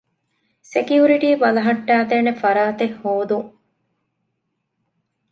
ސެކިއުރިޓީ ބަލަހައްޓައިދޭނެ ފަރާތެއް ހޯދުން